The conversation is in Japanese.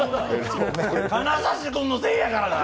金指君のせいやからな！